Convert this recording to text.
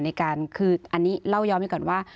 ในการคืออันนี้เล่ายอมดีกว่า